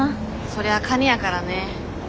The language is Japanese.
そりゃカニやからね。